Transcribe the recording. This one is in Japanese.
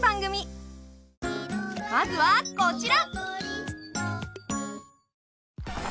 まずはこちら！